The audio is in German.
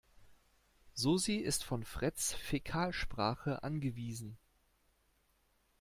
Susi ist von Freds Fäkalsprache angewiesen.